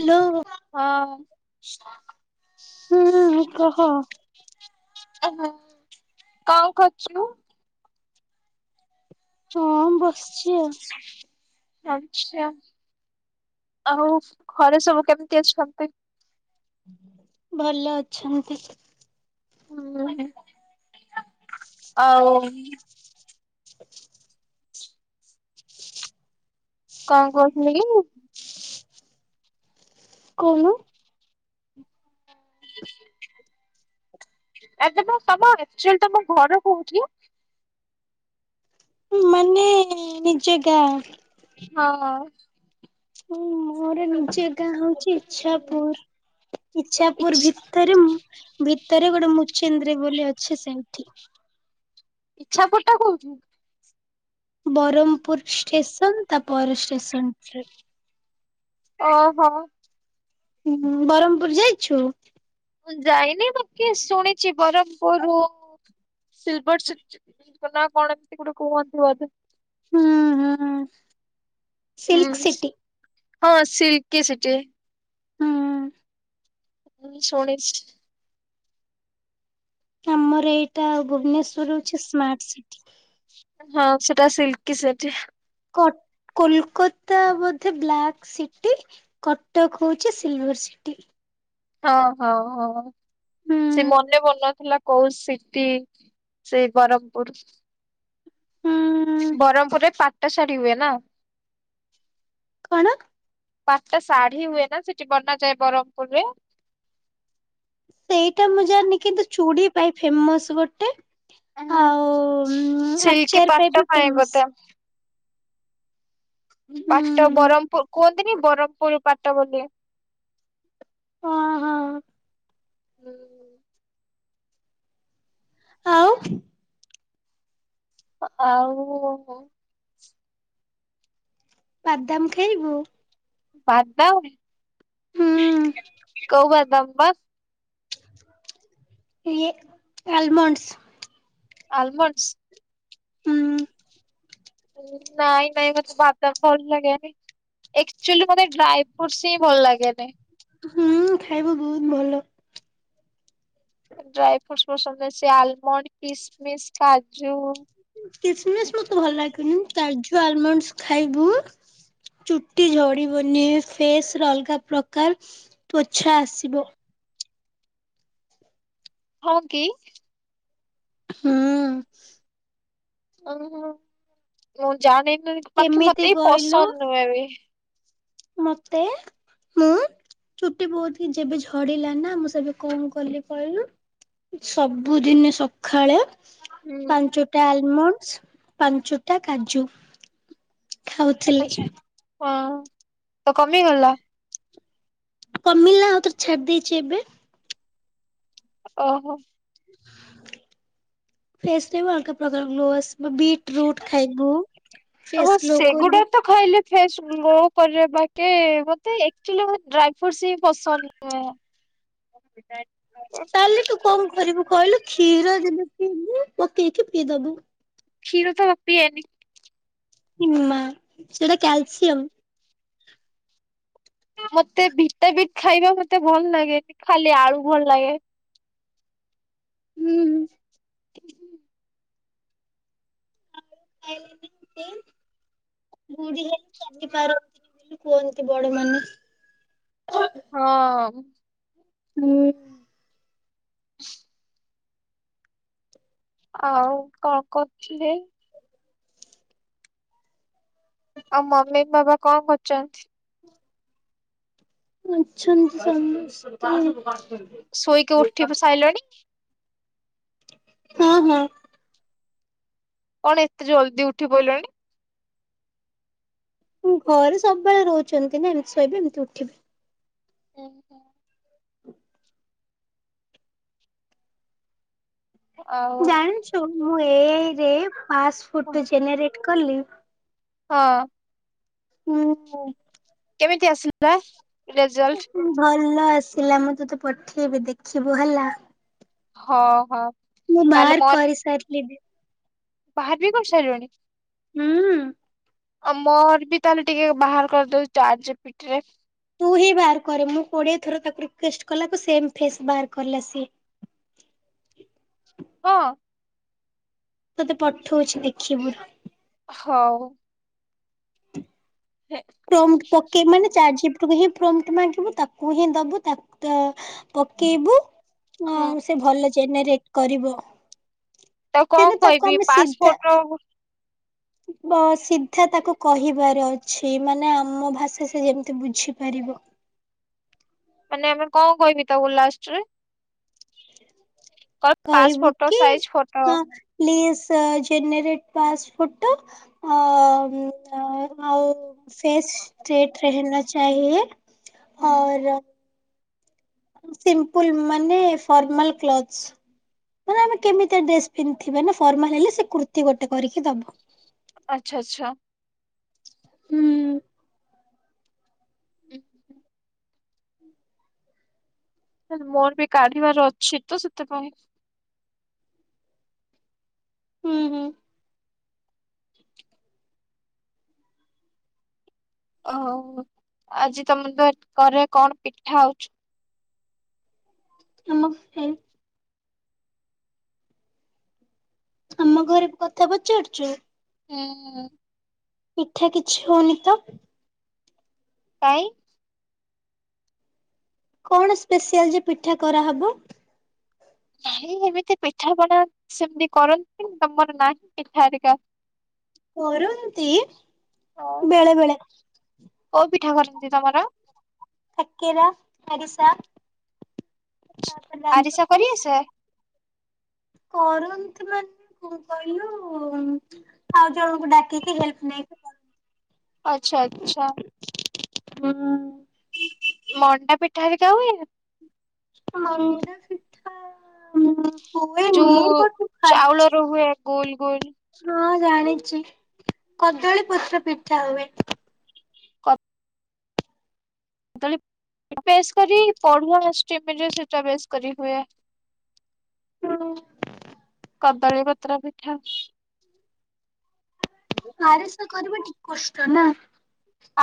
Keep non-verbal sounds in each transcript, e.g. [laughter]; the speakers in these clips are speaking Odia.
ହାଲୋ। ହଁ। ହୁଁ କହ କଣ କର [unintelligible] ହଁ ବସିଚି ଆଉ। [unintelligible] ଆଛା ଆଉ ଘରେ ସବୁ କେମିତି ଅଛନ୍ତି? ଭଲ ଅଛନ୍ତି। ହୁଁ ଆଉ। [inaudible] କଣ କରୁଥିଲେ କି? କଣ? [unintelligible] ମୁଁ ତମ ଆକ୍ଚୁଆଲ୍ ତମ ଘର କୋଉଠି? ମାନେ ନିଜ ଗାଁ। ହଁ। ହୁଁ ମୋର ନିଜ ଗାଁ ହୋଉଛି ଇଚ୍ଛାପୁର। ଇଛ ଇଚ୍ଛାପୁର ଭିତରେ ଉଁ ଭିତରେ ଗୋଟେ ମୁଚେନ୍ଦ୍ରି ବୋଲି ଅଛି ସେଇଠି। ଇଚ୍ଛାପୁର ଟା କୋଉଠି? ବରମ୍ ପୁର ଷ୍ଟେସନ୍ ତାପର ଷ୍ଟେସନ୍ ରେ। ଅହ। ହୁଁ ବରମ୍ ପୁର୍ ଯାଇଛୁ? ମୁଁ ଯାଇନି ବାକି ଶୁଣିଛି ବରମ୍ ପୁରୁ ସିଲଭର ସିଟି ନା କଣ ଏମିତି ଗୋଟେ କୁହନ୍ତି ବୋଧେ। ହୁଁ ହୁଁ। ସିଲ୍କ ହୁଁ ସିଟି। ହଁ ସିଲ୍ କି ସିଟି। ହୁଁ। ମୁଁ ଶୁଣିଛି। ଆମର ଏଇଟା ଭୁବନେଶ୍ୱର ହୋଉଛି ସ୍ମାର୍ଟ ସିଟି। ଉଁ ହଁ ସେଟା ସିଲ୍ କି ସେଠି। କଟ୍ କୋଲ୍ କତା ବୋଧେ ବ୍ଲାକ୍ ସିଟି? କଟକ୍ ହୋଉଛି ସିଲଭର୍ ସିଟି। ହଁ ହଁ ହଁ। ହୁଁ ସେ ମନେ ପଡ଼ୁନଥିଲା କୋଉ ସିଟି ସେ ବ୍ରହ୍ମପୁରୁ। ହୁଁ ବରମ୍ ପୁର୍ ରେ ପାଟ ଶାଢ଼ୀ ହୁଏ ନା? କଣ? ପାଟ ଶାଢୀ ହୁଏ ନା ସେଠି ବନାଯାଏ ବରମ୍ ପୁର୍‌ ରେ। ସେଇଟା ମୁଁ ଜାଣିନି କିନ୍ତୁ ଚୁଡ଼ି ପାଇଁ ଫେମସ୍ ଗୋଟେ। ଉଁ ଆଉ ସିଲ୍କି ଆଚାର ପାଟ ବି ପାଇଁ ଫେମସ ବୋଧେ। ହୁଁ ପାଟ ବରମ୍ ପୁ କୁଅନ୍ତିନି ବରମ୍ ପୁରୁ ପାଟ ବୋଲି। ଅ ହଁ। ଆଉ? ଆଉ ବାଦାମ୍ ଖାଇବୁ? ବାଦାମ? ହୁଁ କୋଉ ବାଦାମ୍ ବାସ୍ ଇଏ ଆଲମଣ୍ଡସ୍। ଆଲମଣ୍ଡସ୍? ହୁଁ ଉଁ ନାଇଁ ନାଇଁ ମତେ ସେ ବାଦାମ୍ ଭଲ ଲାଗେନି। ଏକ୍ଚୁଲି ମୋତେ ଡ୍ରାଏ ଫ୍ରୁଟ୍ ସ୍ ହିଁ ଭଲ ଲାଗେନି। ହୁଁ ଖାଇବା ବୋହୁତ୍ ଭଲ। ଡ୍ରାଏ ଫ୍ରୁଟ୍ ସ୍ ପସନ୍ଦ ଏ ସେ ଆଲମଣ୍ଡ କିସ୍ ମିସ୍ କାଜୁ। କିସ୍ ମିସ୍ ମତେ ଭଲ ଲାଗେନି କାଜୁ ଆଲମଣ୍ଡ ଖାଇବୁ ଚୁଟି ଝଡି଼ବନି ଫେସ୍ ରେ ଅଲଗା ପ୍ରକାର ତ୍ଵଛା ଆସିବ। ହଁ କି? ହୁଁ। ଓହୋଁ ମୁଁ ଜାଣିନି ପିଖି କେମିତି ମତେ କହିଲୁ ପସନ୍ଦ ନୁହେଁ ବି। ମତେ? ମୁଁ ଚୁଟି ବୋହୁତ୍ ହି ଯେବେ ଝଡି଼ଲା ନା ମୁଁ ସେବେ କଣ କଲି କହିଲୁ? ସବୁଦିନେ ସକାଳେ ହୁଁ ପାଞ୍ଚଟା ଆଲମଣ୍ଡସ୍, ପାଞ୍ଚଟା କାଜୁ। ଖାଉଥିଲି ଆଛା ହଁ ତ କମିଗଲା? କମିଲା ଆଉ ତୋର ଛାଡି ଦେଇଛି ଏବେ। ଓହୋ, ଫେସ୍ ରେ ବି ଅଲଗା ପ୍ରକର ଗ୍ଲୋ ଆସିବ। ବିଟ୍ ରୁଟ ଖାଇବୁ। ଓହୋ ଫେସ୍ ଗ୍ଲୋ ସେଗୁଡା କରିବ ତ ଖାଇଲେ ଫେସ୍ ଗ୍ଲୋ କରିବ ବାକି ମତେ ଏକ୍ଚୁଲି ମତେ ଡ୍ରାଇ ଫ୍ରୁଟସ ହିଁ ପସନ୍ଦ ନୁହେଁ, ତାହେଲେ ତୁ କଣ କରିବୁ କହିଲୁ କ୍ଷୀର ଯେଦି ପିଇବୁ ପକେଇକି ପିଇଦବୁ। କ୍ଷୀର ତ ମୁଁ ପିଏନି। ଇମା ସେଟା କ୍ୟାଲସିୟମ। ମତେ ଭିଟା ଭିଟ୍ ଖାଇବା ମତେ ଭଲ ଲାଗେ। ଖାଲି ଆଳୁ ଭଲ ଲାଗେ। ହୁଁ, ହ ହୁଁ [inaudible] [inaudible] ବୁଢି ହେଇ ଚାଲି ପାରନ୍ତିନି ବୋଲି କୁହନ୍ତି ବଡ ମାନେ [unintelligible] ହଁ-ଅ-ଅ-ଅ, ହୁଁ, ଆଉ କଣ କରୁଥିଲେ? ଆଉ ମମି ବାବା କଣ କରୁଛନ୍ତି? ହ ଅଛନ୍ତି ସମସ୍ତେ [unintelligible] ଶୋଇକି ଉଠି ବି ସାଇଲଣି? ହଁ ହଁ, କଣ ଏତେ ଜଲଦି ଉଠି ପଡିଲଣି? [unintelligible] ସବୁବେଳେ ରହୁଛନ୍ତି ନା ଏମିତି ଶୋଇବେ ଏମିତି ଉଠିବେ [unintelligible] ଆଉ ଜାଣିଛୁ ମୁଁ ଏ ଆଇ ରେ ପାସ୍ ଫୋଟୋ ଜେନେରେଟ କଲି, ହଁ, ହୁଁ, କେମିତି ଆସିଲା ରେଜଲ୍ଟ? ଭଲ ଆସିଲା ମୁଁ ତୋତେ ପଠେଇବି ଦେଖିବୁ ହେଲା। ହଁ ହଁ, ମୁଁ ତାହେଲେ ମାର୍କ ମୋର କରିସାରିଲିଣି। ବାହାର ବି କରି ସାରିଲୁଣି? ହୁଁ, ଆଉ ମୋର ବି ତାହେଲେ ଟିକେ ବାହାର କରିଦଉଛି ଚାଟ ଜି ପି ଟି ରେ। ତୁ ହିଁ ବାହାର କରିବୁ ମୁଁ କୋଡିଏ ଥର ତାକୁ ରିକ୍ୟୁଷ୍ଟ୍ କଲାକୁ ସେମ୍ ଫେସ୍ ବାହାର କଲା ସିଏ। ହଁ, ତତେ ପଠଉଛି ଦେଖିବୁ। ହଉ, ତମ୍ ପକେ ମାନେ ଚା ଜି ପି ତୁ ହିଁ ପ୍ରୋମ୍ଟ୍ ମାଗିବ ତାକୁ ହିଁ ଦବୁ ତାକ ପକେଇବୁ ହୁଁ ଆଉ ସେ ଭଲ ଜେନେରେଟ୍ କରିବ। ତାକୁ କଣ କିନ୍ତୁ ତାକୁ କହିବି ଆମେ ପାସ୍ ସିଧା ଫୋଟୋ ବ ସିଧା ତାକୁ କହିବାର ଅଛି ମାନେ ଆମ ଭାଷା ସେ ଯେମତି ବୁଝିପାରିବ। ମାନେ ଆମେ କଅଁ କହିବି ତାକୁ ଲାଷ୍ଟ୍ ରେ। କହିବି ପାସ୍ କହିବୁ ଫୋଟୋ କି ସାଇଜ ଫୋଟୋ। କାଁ ପ୍ଳିଜ୍ ସ-ଅ-ଅ ଜେନେରେଟ୍ ପାସ୍ ଫୋଟୋ। ହଁ କି ଆଉ ହୁଁ [unintelligible] ସିମ୍ପୁଲ ମାନେ ଫର୍ମାଲ କ୍ଲଥଶ୍। ଧର ଆମେ କେମିତିଆ ଡ୍ରେସ ପିନ୍ଧିବା ନା ଫର୍ମାଲ ହେଲେ ସେ କୁର୍ତୀ ଗୋଟେ କରିକି ଦବ ଆଚ୍ଛା ଆଚ୍ଛା। ହୁଁ। ଆଚ୍ଛା। ଲେ ମୋର ବି କାଢିବାର ଅଛି ତ ସେଥିପାଇଁ ହୁଁ ହୁଁ। ଓହ ଆଜି ତମ ତ ଘରେ କଣ ପିଠା ହୋଉଛି? ନମସ୍ତେ ଆମ ଘରେ କଥା ପଚାରୁଛୁ? ହୁଁ ଉଁ। ପିଠା କିଛି ହଉନି ତ କାଇଁ କଣ ସ୍ପେଶିଆଲ୍ ଯେ ପିଠା କରାହବ? ନାହିଁ ଏମିତି ପିଠାପଣା ସେମ୍ତି କରନ୍ତିନି ତମର୍ ନାଇଁ ପିଠା ହେରୀକା କରନ୍ତି ବେଳେ ବେଳେ କୋଉ ପିଠା କରନ୍ତି ତମର? କାକେରା ଆରିସା ତାପରେ ଆରିସା ରାନ୍ଧିକି କରିଆସେ? କରନ୍ତି ମାନେ କଣ କହିଲୁ ଉଁ ଆଉ ଜଣଙ୍କୁ ଡାକିକି ହେଲ୍ପ ନେଇକି କ ଆଛା ଆଚ୍ଛା। ହୁଁ। ମଣ୍ଡା ପିଠା ହେରିକା ହୁଏ? ମଣ୍ଡାପିଠା ହୁଁ ଯୋଉ ଚାଉଳରୁ ହୁଏ ଗୋଲ୍ ଗୋଲ୍ ହଁ ଜାଣିଚି କଦଳୀପତ୍ର ପିଠା ହୁଏ। [unintelligible] ବେସ୍ କରି ପରୁଁଆ ଅଷ୍ଟମିରେ ସେଟା ବେଶ୍ କରି ହୁଏ। [unintelligible] କଦଳୀ ପତ୍ର ପିଠା। [inaudible] ଆରିସା କରିବା ଟିକ୍ କଷ୍ଟ ନା?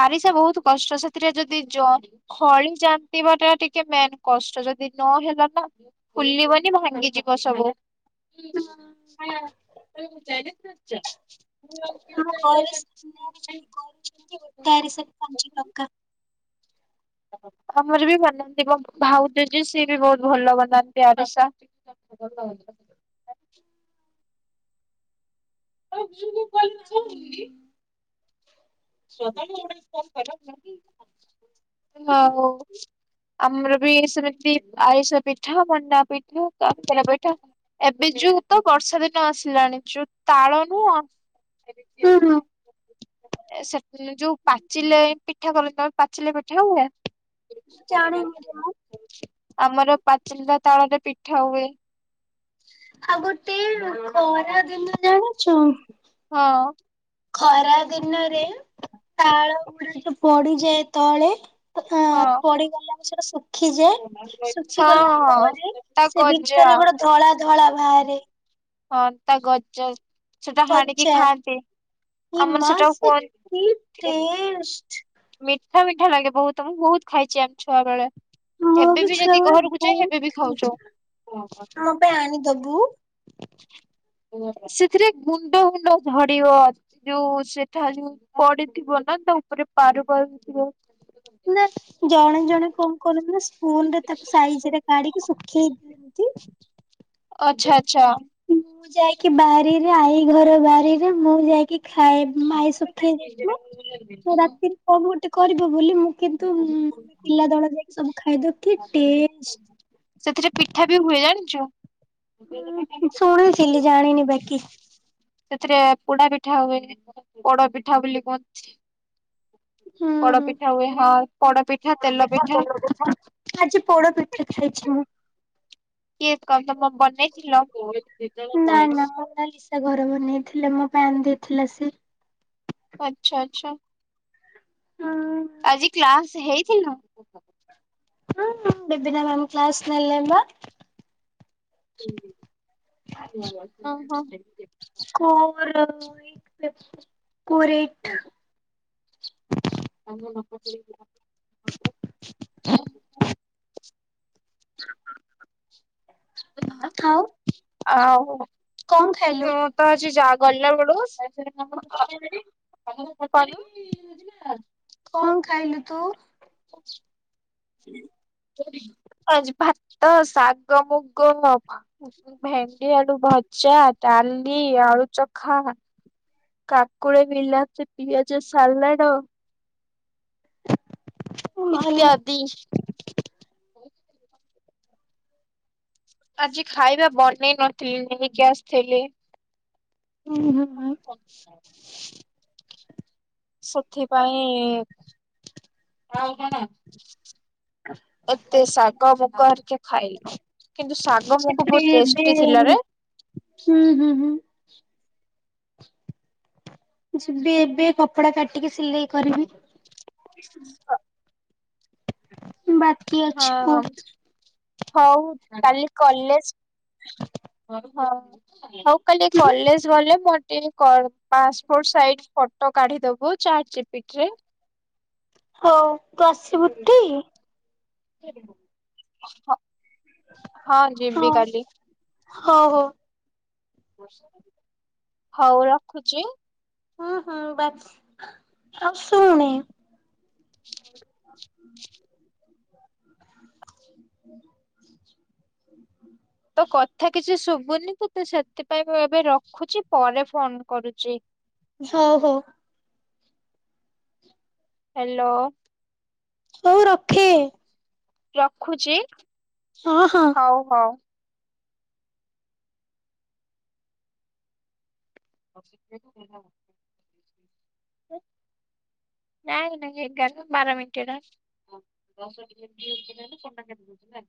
ଆରିସା ବହୁତ୍ କଷ୍ଟ ସେଥିରେ ଯଦି ଜ ଖଳି ଯାନ୍ତି ବାନେ ଟିକେ ମେନ୍ କଷ୍ଟ ଯଦି ନ ହେଲା ନା ଫୁଲ୍ଲୀବନି ଭାଙ୍ଗିଯିବ ସବୁ। ହୁଁ ହଁ ତମେ [unintelligible] କରିଛ? ନୁଆ ଡିଜାଇନବାଲା ଅଛି ନା ଚାରିଶହ ପାଞ୍ଚଟଙ୍କା ଆମର ବି ବନାନ୍ତି ମୋ ଭାଉଜ ଯିଏ ସିଏ ବି ବହୁତ୍ ଭଲ ବନାନ୍ତି ଆରିସା। ସେତେବେଳୁ ନା ଆଇଚ [unintelligible] ହୋଉ। ଆମର ବି ସେମିତି ଆରିସା ପିଠା ମଣ୍ଡା ପିଠା କକେରା ପିଠା ଏବେ ଯୋଉ ତ ବର୍ଷା ଦିନ ଆସିଲାଣି ଯୋଉ ତାଳ ନୁହଁ ହୁଁ ହୁଁ ସେଟ୍ ଯୋଉ ପାଚିଲେ ପିଠା କଲେ ପାଚିଲେ ପିଠା ହୁଏ? ଜାଣିନି ରେ ମୁଁ ଆମର ପାଚିଲା ତାଳରେ ପିଠା ହୁଏ। ଆଉ ଗୋଟେ ଖରା ଦିନ ଜାଣିଛୁ ହଁ। ଖରା ଦିନରେ ତାଳ ଗୁଡ଼ାକ ପଡ଼ିଯାଏ ତଳେ। ଏ ହଁ। ପଡ଼ିଗଲା ଖିଯାଏ ହଁ ଶୁଖିଗଲା ହଁ ପରେ ତା ସେ ଗଜା ଭିତରେ ଗୋଡ଼େ ଧଳା ଧଳା ବାହାରେ। ହଁ ତା ଗଜା ସେଟା ହାଣିକି ଖାଆନ୍ତି। ଏ ଆମର ମା ସେଟାକୁ ସେ କୁହନ୍ତି କି ଟେଷ୍ଟ୍! ମିଠା ମିଠା ଲାଗେ ବହୁତୁ ବହୁତ୍ ଖାଇଛି ଆମେ ଛୁଆ ବେଳେ। ମୁଁ ଏବେ ବି ଯଦି ଛୁଆବେଳେ ଘରକୁ ଯାଏ ଏବେ ବି ଖାଉଚୁ। ମୋ ପାଇଁ ଆଣିଦବୁ। ସେଥିରେ ଗୁଣ୍ଡ ଗୁଣ୍ଡ ଝଡ଼ିବ ଯୋଉ ସେଠାରୁ ପଡ଼ିଥିବ ନା ତା ଉପରେ ପାରୁ ପାରୁଥିବ। ନା ଜଣେ ଜଣେ କଣ କରନ୍ତି ନା ଫୋନ୍ ରେ ତାକୁ ସାଇଜ୍ ରେ କାଡ଼ିକି ଶୁଖେଇ ଆଚ୍ଛା ଆଚ୍ଛା। ଦିଅନ୍ତି। ମୁଁ ଯାଇକି ବାରିରେ ଆଈ ଘର ବାରିରେ ମୁଁ ଯାଇକି ଖାଏବି। ମୋ ଆଈ ଶୁଖେଇ ଯାଇଥିବ ତ ରାତିରେ କଣ ଗୋଟେ କରିବ ବୋଲି ମୁଁ କିନ୍ତୁ ଆମେ ପିଲା ଦଳ ଯାଇକି ସବୁ ଖାଇଦଉ କି ଟେଷ୍ଟ! ସେଥିରେ ପିଠା ବି ହୁଏ ଜାଣିଚୁ? ହୁଁ ଶୁଣିୁଥିଲି ଜାଣିନି ବାକି। ସେଥିରେ ପୋଡା ପିଠା ହୁଏ ବଡ ପିଠା ବୋଲି କୁହନ୍ତି। ହୁଁ ପୋଡ ପିଠା ହୁଏ ପୋଡ ପିଠା ତେଲ ହଁ ପିଠା। ପୋଡ ଆଜି ପୋଡ ପି ଦେ ଖାଇଛି ନା? କେ କ ବନେଇଥିଲ? ନା ନା ମୋନାଲିସା ଘର ବନେଇଥିଲେ ମୋ ପାଇଁ ଆଣି ଦେଇଥିଲା ସେ। ଆଚ୍ଛା ଆଚ୍ଛା। ହଁ। ଆଜି କ୍ଲାସ ହେଇଥିଲୁ? ହୁଁ ବିନ ମ୍ୟାମ କ୍ଲାସ୍ ନେଲେ ପା। ହଁ ହଁ। କୋର କୋରେ [inaudible] [inaudible] ଆଉ କଣ ଖାଇଲୁ? ମୁଁ ତ ଆଜି ଯା ଗଲା ବେଳକୁ [inaudible] ହଁ। କଣ ଖାଇଲୁ ତୁ? ଆଜି ଭାତ ତ ସାଗ ମୁଗ [unintelligible] ଭେଣ୍ଡି ଆଳୁ ଭଜା ଡାଲି ଆଳୁ ଚଖା। କାକୁଡି ବିଲାତି ପିଆଜ ସାଲାଟ। [inaudible] ଇତ୍ୟାଦି। ଆଜି ଖାଇବା ବନେଇ ନଥିଲି ନେଇକି ଆସିଥିଲି। ହୁଁ ହୁଁ ହୁଁ। [inaudible] ସେଥିପାଇଁ [inaudible] ଏତେ ଶାଗ ମୁଗ ହେରିକା ଖାଇଲୁ କିନ୍ତୁ ଶାଗ ମୁଗ ସେଥିରେ ବହୁତ ଟେଷ୍ଟି ଏବେ ଥିଲା ରେ। ହୁଁ, ହୁଁ, ହୁଁ। ଏବେ କପଡା କାଟିକି ସିଲେଇ କରିବି [unintelligible] ବାତ [unintelligible] ହଁ। ହଉ କାଲି କଲେଜ ହଉ ହଉ। କାଲି କଲେଜ ଗଲେ ପ ଟି ଙ୍କର ପାସପୋର୍ଟ ସାଇଜ ଫଟୋ କାଢିଦବୁ ଚାଟ ଜପିଟି ରେ। ହଉ ତୁ ଆସିବୁ ଟି। ହ ହଁ ଯିବି କାଲି। ହଉ ହଉ। ହଉ ରଖୁଚି। ହୁଁ ହୁଁ ବାସ୍ ଆଉ ଶୁଣେ। ହ ହୁଁ ହ ହ ତୋ କଥା କିଛି ଶୁଭୁନି ତ ତୁ ସେଥିପାଇଁ ମୁଁ ଏବେ ରଖୁଛି ପରେ ଫୋନ କରୁଚି। ହଉ ହଉ। ହାଲୋ। ହଉ ରଖେ। ରଖୁଚି। ହଁ, ହଁ। ହଉ, ହଉ। [unintelligible] ନାଇ ନାଇ ଏଗାର ବାର ମିନିଟ ହେଲାଇଁ। ହଁ ଦଶ ଟି ଯେମିତି ହେଇଚି କି ନାଇଁ ଫୋନ ଟା କାଟି ଦଉଛି ନା।